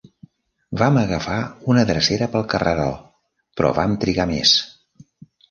Vam agafar una drecera pel carreró, però vam trigar més.